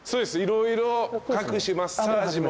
色々各種マッサージも。